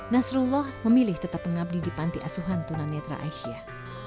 nasrullah memilih tetap mengabdi di panti asuhan tunanetra aisyah